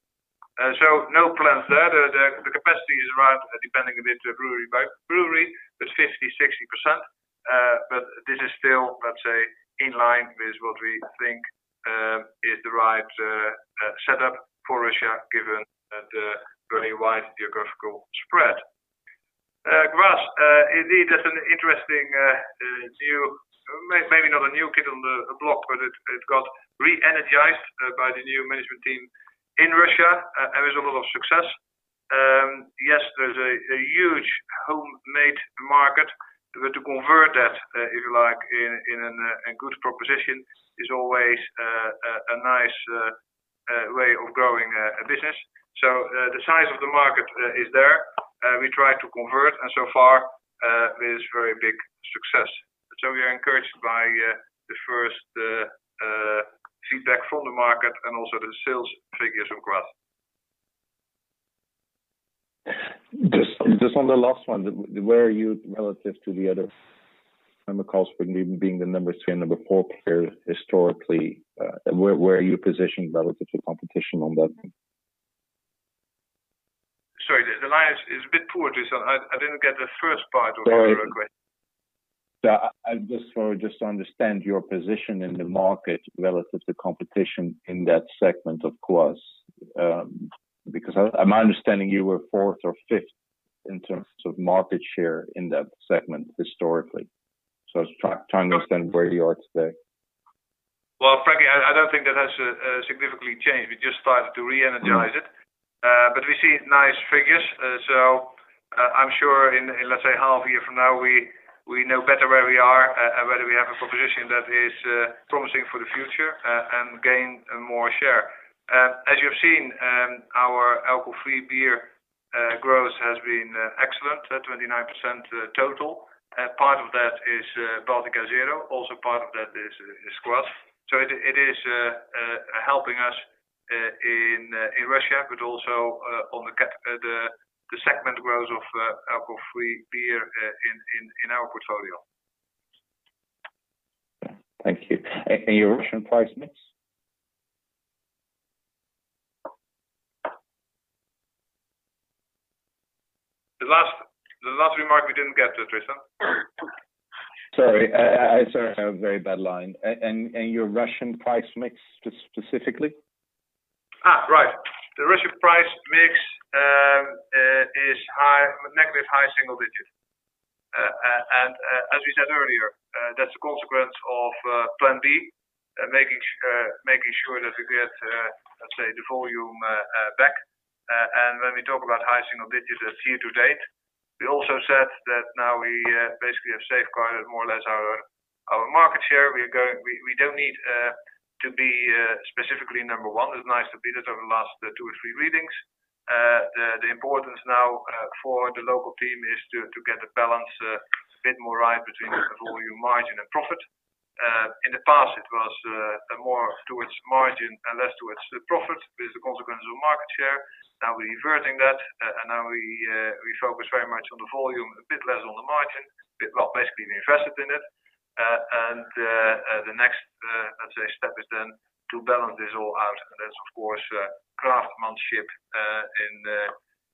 No plans there. The capacity is around, depending a bit brewery by brewery, but 50%, 60%. This is still, let's say, in line with what we think is the right setup for Russia given the very wide geographical spread. Kvass, indeed, that's an interesting new Maybe not a new kid on the block, but it got re-energized by the new management team in Russia and with a lot of success. Yes, there's a huge homemade market. To convert that, if you like, in a good proposition is always a nice way of growing a business. The size of the market is there. We try to convert, so far with very big success. We are encouraged by the first feedback from the market and also the sales figures of kvass. Just on the last one, where are you relative to the other, I recall Carlsberg being the number three and number four player historically. Where are you positioned relative to competition on that? Sorry, the line is a bit poor, Tristan. I didn't get the first part of your question. Just so I understand your position in the market relative to competition in that segment, of Krušovice. Am I understanding you were fourth or fifth in terms of market share in that segment historically? I was trying to understand where you are today. Well, frankly, I don't think that has significantly changed. We just started to re-energize it. We see nice figures. I'm sure in, let's say, half a year from now, we know better where we are and whether we have a proposition that is promising for the future and gain more share. As you have seen, our alcohol-free beer growth has been excellent, at 29% total. Part of that is Baltika #0, also part of that is Zatecky Gus. It is helping us in Russia, also on the segment growth of alcohol-free beer in our portfolio. Thank you. Your Russian price mix? The last remark we didn't get, Tristan. Sorry, I have very bad line. Your Russian price mix, specifically? Right. The Russian price mix is negative high single digits. As we said earlier, that's a consequence of plan B, making sure that we get, let's say, the volume back. When we talk about high single digits, that's year to date. We also said that now we basically have safeguarded more or less our market share. We don't need to be specifically number one. It's nice to be that over the last two or three readings. The importance now for the local team is to get the balance a bit more right between the volume margin and profit. In the past, it was more towards margin and less towards profit, is the consequence of market share. Now we're inverting that, now we focus very much on the volume, a bit less on the margin. Well, basically, we invested in it. The next, let's say, step is then to balance this all out. That's, of course, craftsmanship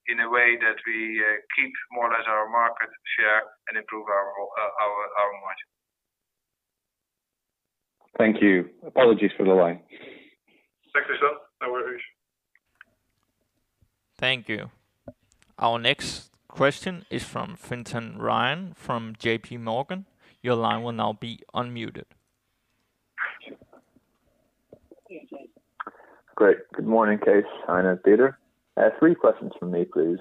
in a way that we keep more or less our market share and improve our margin. Thank you. Apologies for the line. Thank you, Sir. No worries. Thank you. Our next question is from Fintan Ryan from JPMorgan. Great. Good morning, Cees, Heine, Peter Kondrup. Three questions from me, please.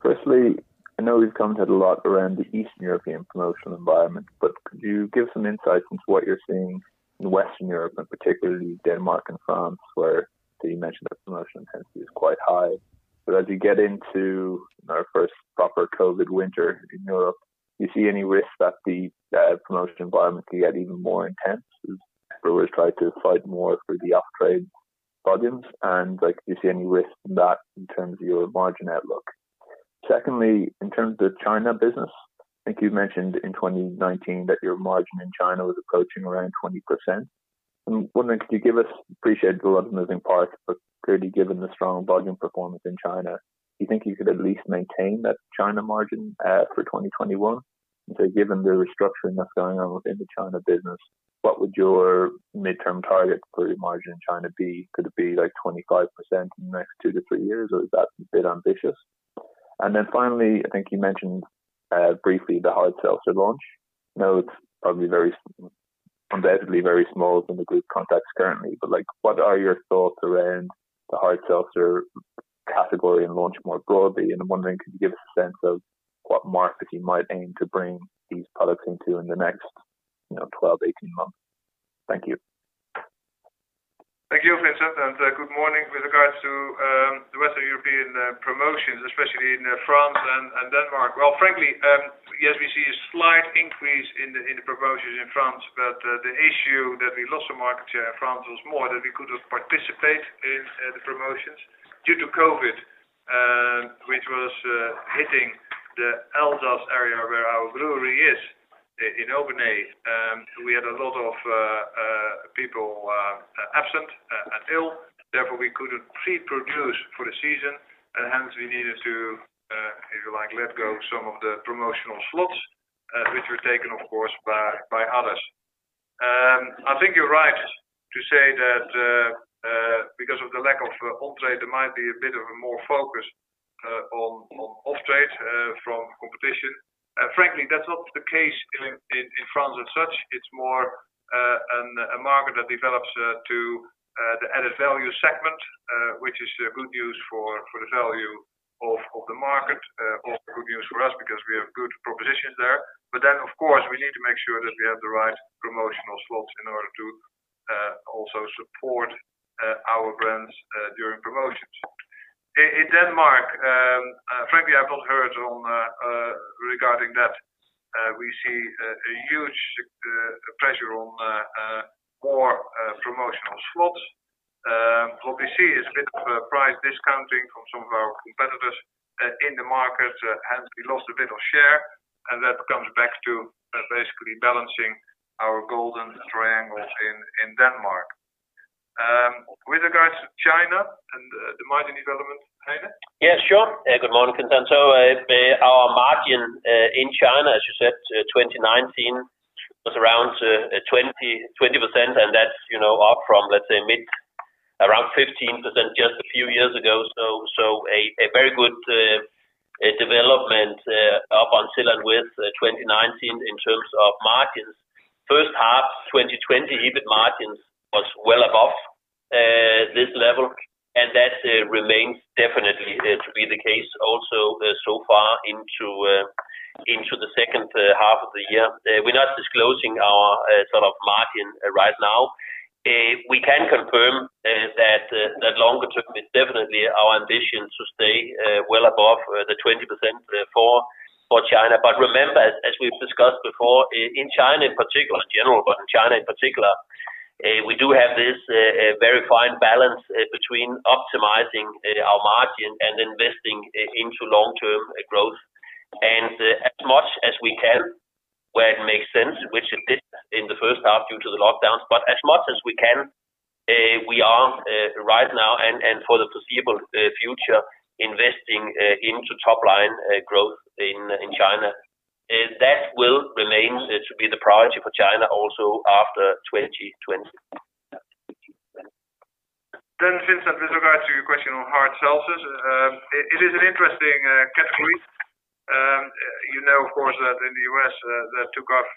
Firstly, I know we've commented a lot around the Eastern European promotional environment, could you give some insight into what you're seeing in Western Europe, and particularly Denmark and France, where you mentioned that promotional intensity is quite high? As you get into our first proper COVID-19 winter in Europe, do you see any risk that the promotional environment could get even more intense as brewers try to fight more for the off-trade volumes? Do you see any risk in that in terms of your margin outlook? Secondly, in terms of China business, I think you mentioned in 2019 that your margin in China was approaching around 20%. I'm wondering, could you give us, appreciate there's a lot of moving parts, but clearly given the strong volume performance in China, do you think you could at least maintain that China margin for 2021? Given the restructuring that's going on within the China business, what would your midterm target for your margin in China be? Could it be 25% in the next two to three years, or is that a bit ambitious? Finally, I think you mentioned briefly the hard seltzer launch. I know it's probably undoubtedly very small within the group context currently, but what are your thoughts around the hard seltzer category and launch more broadly? I'm wondering, could you give us a sense of what markets you might aim to bring these products into in the next 12, 18 months? Thank you. Thank you, Fintan, and good morning. With regards to the Western European promotions, especially in France and Denmark, well, frankly, yes, we see a slight increase in the promotions in France, but the issue that we lost our market share in France was more that we couldn't participate in the promotions due to COVID, which was hitting the Alsace area where our brewery is in Obernai. We had a lot of people absent and ill, therefore, we couldn't pre-produce for the season. Hence we needed to, if you like, let go some of the promotional slots, which were taken, of course, by others. I think you're right to say that because of the lack of on-trade, there might be a bit of a more focus on off-trade from competition. Frankly, that's not the case in France as such. It's more a market that develops to the added value segment, which is good news for the value of the market, also good news for us because we have good propositions there. Of course, we need to make sure that we have the right promotional slots in order to also support our brands during promotions. In Denmark, frankly, I've not heard regarding that. We see a huge pressure on more promotional slots. What we see is a bit of a price discounting from some of our competitors in the market, hence we lost a bit of share, and that comes back to basically balancing our Golden Triangle in Denmark. With regards to China and the margin development, Heine? Yeah, sure. Good morning, Fintan. Our margin in China, as you said, 2019 was around 20%, and that's up from, let's say, mid around 15% just a few years ago. A very good development up until and with 2019 in terms of margins. First half 2020, EBIT margins was well above this level, and that remains definitely to be the case also so far into the second half of the year. We're not disclosing our sort of margin right now. We can confirm that longer term, it's definitely our ambition to stay well above the 20% for China. Remember, as we've discussed before, in China in particular, in general, but in China in particular, we do have this very fine balance between optimizing our margin and investing into long-term growth. As much as we can, where it makes sense, which it did in the first half due to the lockdowns, but as much as we can, we are right now and for the foreseeable future, investing into top line growth in China. That will remain to be the priority for China also after 2020. Fintan, with regards to your question on hard seltzers, it is an interesting category. You know, of course, that in the U.S. that took off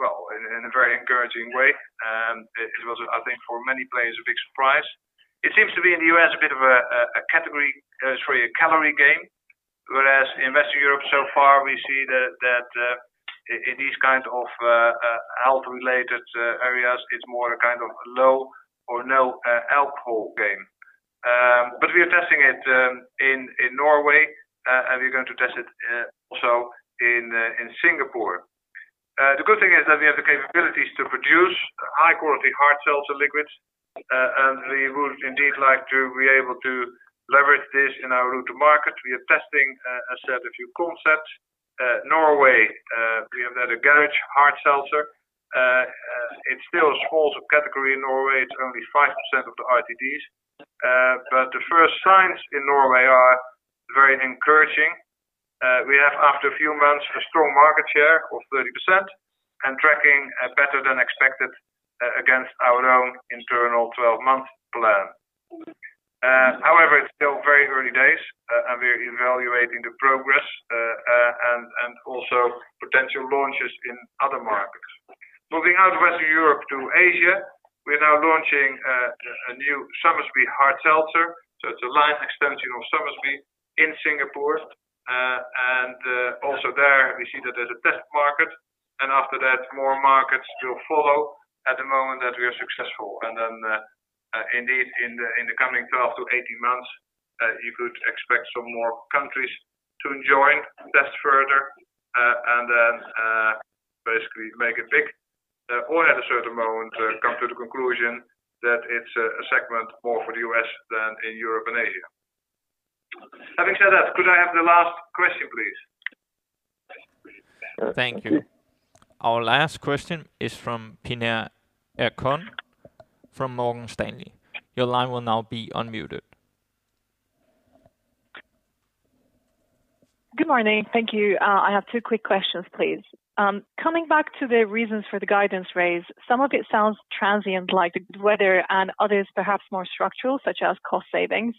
in a very encouraging way. It was, I think for many players, a big surprise. It seems to be in the U.S. a bit of a calorie game, whereas in Western Europe so far, we see that in these kind of health related areas, it's more a kind of low or no alcohol game. We are testing it in Norway, and we're going to test it also in Singapore. The good thing is that we have the capabilities to produce high quality hard seltzer liquids, and we would indeed like to be able to leverage this in our route to market. We are testing a set of new concepts. Norway, we have had a Garage Hard Seltzer. It still is a small category in Norway. It's only 5% of the RTDs. The first signs in Norway are very encouraging. We have, after a few months, a strong market share of 30% and tracking better than expected against our own internal 12-month plan. However, it's still very early days, and we're evaluating the progress, and also potential launches in other markets. Moving out Western Europe to Asia, we are now launching a new Somersby Hard Seltzer. It's a line extension of Somersby in Singapore. Also there we see that there's a test market, and after that, more markets to follow at the moment that we are successful. Indeed in the coming 12 to 18 months, you could expect some more countries to join, test further, and then basically make it big, or at a certain moment come to the conclusion that it's a segment more for the U.S. than in Europe and Asia. Having said that, could I have the last question, please? Thank you. Our last question is from Pinar Ergun from Morgan Stanley. Your line will now be unmuted. Good morning. Thank you. I have two quick questions, please. Coming back to the reasons for the guidance raise, some of it sounds transient, like the weather and others perhaps more structural, such as cost savings.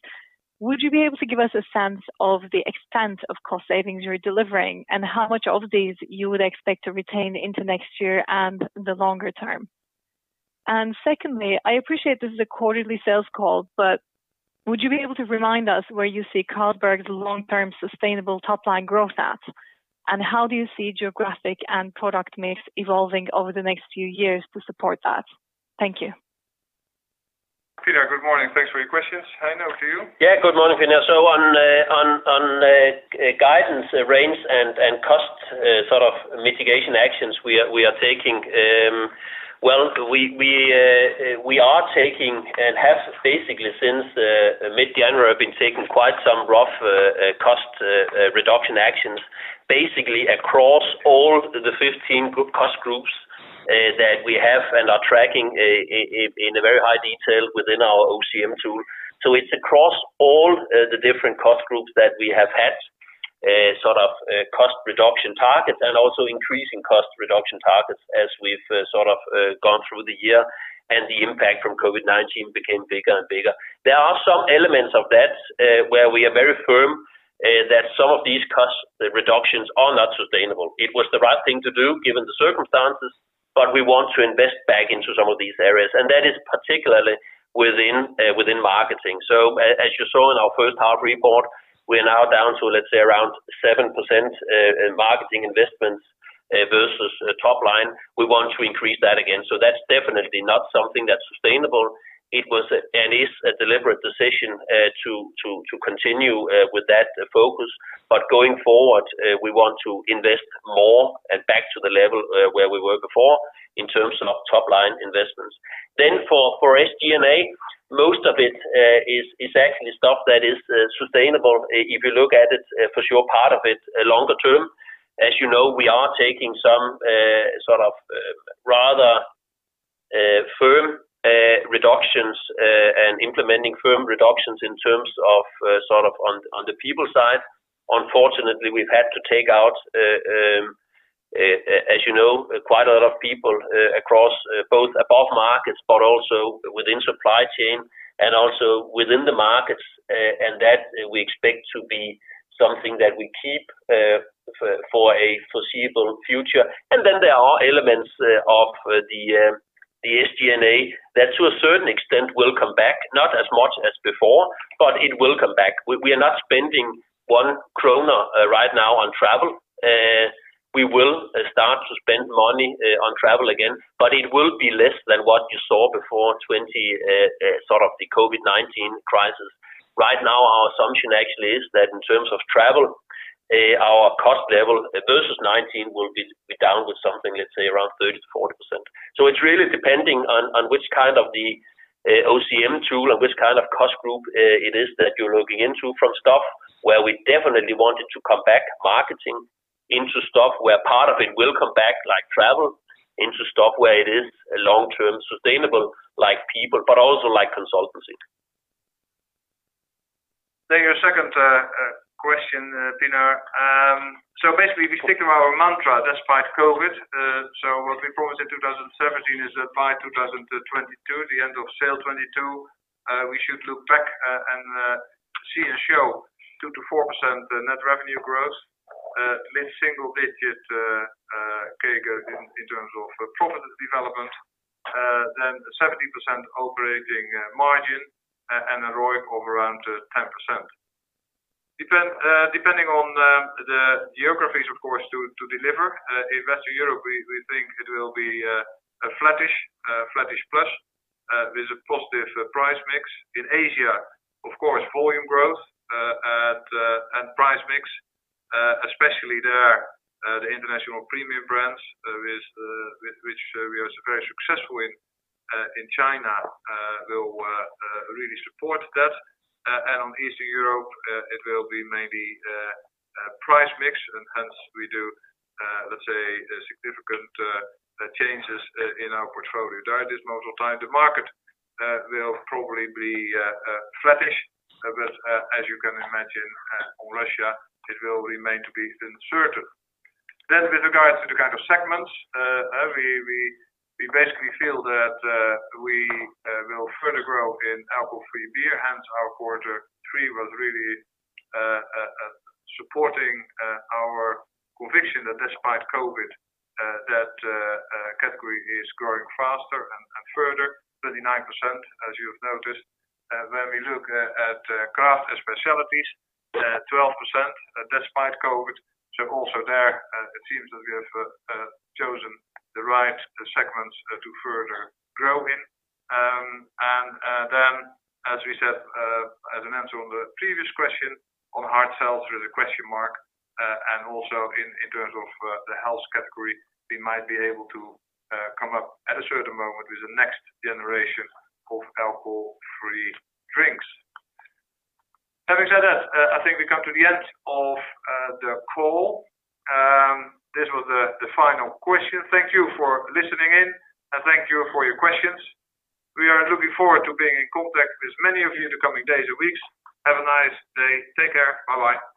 Would you be able to give us a sense of the extent of cost savings you're delivering and how much of these you would expect to retain into next year and the longer term? Secondly, I appreciate this is a quarterly sales call, but would you be able to remind us where you see Carlsberg's long-term sustainable top line growth at, and how do you see geographic and product mix evolving over the next few years to support that? Thank you. Pinar, good morning. Thanks for your questions. Heine, over to you. Yeah. Good morning, Pinar. On guidance range and cost sort of mitigation actions we are taking, well, we are taking and have basically since mid-January been taking quite some rough cost reduction actions, basically across all the 15 cost groups that we have and are tracking in a very high detail within our OCM tool. It's across all the different cost groups that we have had sort of cost reduction targets and also increasing cost reduction targets as we've sort of gone through the year and the impact from COVID-19 became bigger and bigger. There are some elements of that where we are very firm that some of these cost reductions are not sustainable. It was the right thing to do given the circumstances, but we want to invest back into some of these areas, and that is particularly within marketing. As you saw in our first half report, we are now down to, let's say, around 7% in marketing investments versus top-line. We want to increase that again. That's definitely not something that's sustainable. It was, and is, a deliberate decision to continue with that focus. Going forward, we want to invest more and back to the level where we were before in terms of top-line investments. For SG&A, most of it is actually stuff that is sustainable. If you look at it, for sure part of it longer term, as you know, we are taking some sort of rather firm reductions and implementing firm reductions in terms of on the people side. Unfortunately, we've had to take out, as you know, quite a lot of people across both above markets, but also within supply chain and also within the markets. That we expect to be something that we keep for a foreseeable future. Then there are elements of the SG&A that to a certain extent will come back, not as much as before, but it will come back. We are not spending 1 kroner right now on travel. We will start to spend money on travel again, but it will be less than what you saw before the COVID-19 crisis. Right now, our assumption actually is that in terms of travel our cost level versus 2019 will be down with something, let's say, around 30%-40%. It's really depending on which kind of the OCM tool and which kind of cost group it is that you're looking into from staff, where we definitely want it to come back marketing into staff, where part of it will come back, like travel into staff, where it is a long-term sustainable, like people, but also like consultancy. Your second question, Pinar. If you think of our mantra despite COVID-19, what we promised in 2017 is that by 2022, the end of SAIL'22, we should look back and see and show 2%-4% net revenue growth, mid-single digit CAGR in terms of profit development. 70% operating margin and a ROIC of around 10%. Depending on the geographies, of course, to deliver. In Western Europe, we think it will be flattish plus, with a positive price mix. In Asia, of course, volume growth and price mix, especially there, the international premium brands with which we are very successful in China will really support that. On Eastern Europe, it will be maybe price mix and hence we do, let's say, significant changes in our portfolio there. This most of the time, the market will probably be flattish. As you can imagine on Russia, it will remain to be uncertain. With regards to the kind of segments, we basically feel that we will further grow in alcohol-free beer, hence our quarter three was really supporting our conviction that despite COVID, that category is growing faster and further, 39%, as you have noticed. When we look at craft specialties, 12% despite COVID. Also there, it seems that we have chosen the right segments to further grow in. As we said, as an answer on the previous question on hard seltzers, a question mark, and also in terms of the health category, we might be able to come up at a certain moment with the next generation of alcohol-free drinks. Having said that, I think we come to the end of the call. This was the final question. Thank you for listening in and thank you for your questions. We are looking forward to being in contact with many of you the coming days and weeks. Have a nice day. Take care. Bye-bye.